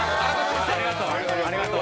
ありがとう。